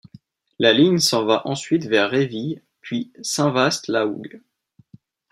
La ligne s'en va ensuite vers Réville puis Saint-Vaast-la-Hougue.